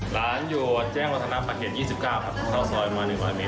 ร้านอยู่แจ้งราษณะปัจจีน๒๙ภัยเท้าซอยมา๑๐๐มิลลิเมตร